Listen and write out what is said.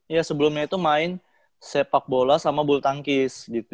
ya sebelumnya itu main sepak bola sama bulu tangkis